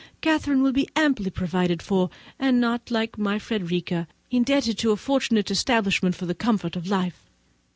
Catherine will be amply provided for, and not, like my Frederica, indebted to a fortunate establishment for the comforts of life."